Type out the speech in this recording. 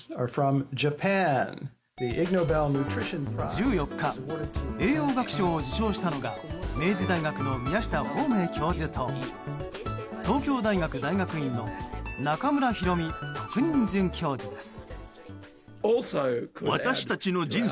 １４日栄養学賞を受賞したのが明治大学の宮下芳明教授と東京大学大学院の中村裕美特任准教授です。